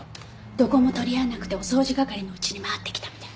どこも取り合わなくてお掃除係のうちに回ってきたみたい。